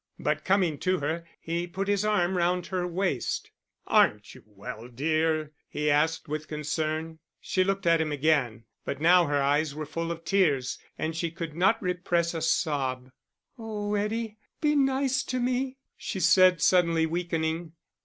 But coming to her, he put his arm round her waist. "Aren't you well, dear?" he asked, with concern. She looked at him again, but now her eyes were full of tears and she could not repress a sob. "Oh, Eddie, be nice to me," she said, suddenly weakening.